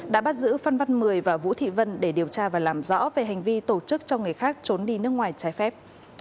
đã bắt giữ phan văn mười và vũ thị vân để điều tra và làm rõ về hành vi tổ chức cho người khác trốn đi nước ngoài trái phép